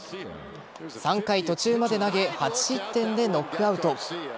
３回途中まで投げ８失点でノックアウト。